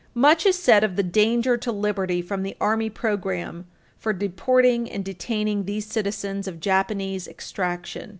Much is said of the danger to liberty from the Army program for deporting and detaining these citizens of Japanese extraction.